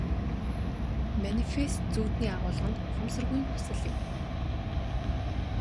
Манифест зүүдний агуулга нь ухамсаргүйн хүсэл юм.